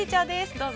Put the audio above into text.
どうぞ。